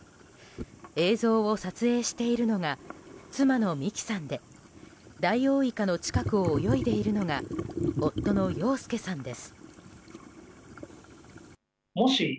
映像を撮影しているのが妻の美紀さんでダイオウイカの近くを泳いでいるのが夫の陽介さんです。